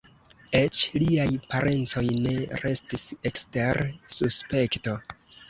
Eĉ liaj parencoj ne restis ekster suspekto.